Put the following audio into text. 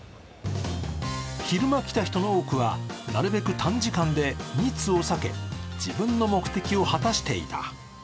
昼間来た人の多くはなるべく短時間で密を避け自分の目的を果たしていた。